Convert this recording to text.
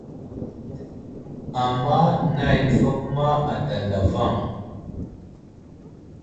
Ama nay nəfakuma ata zlavaŋ.